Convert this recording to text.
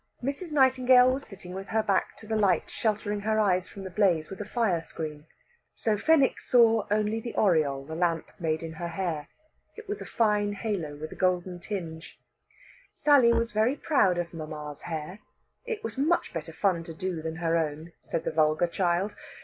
Mrs. Nightingale was sitting with her back to the light sheltering her eyes from the blaze with a fire screen. So Fenwick saw only the aureole the lamp made in her hair it was a fine halo with a golden tinge. Sally was very proud of mamma's hair; it was much better fun to do than her own, said the vulgar child.